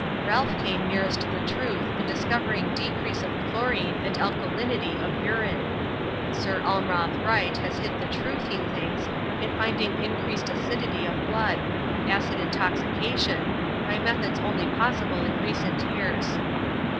Ralph came nearest the truth in discovering decrease of chlorine and alkalinity of urine. Sir Almroth Wright has hit the truth, he thinks, in finding increased acidity of blood acid intoxication by methods only possible in recent years.